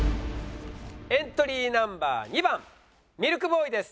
エントリーナンバー２番ミルクボーイです。